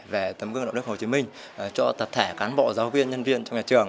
về tấm gương đạo đức hồ chí minh cho tập thể cán bộ giáo viên nhân viên trong nhà trường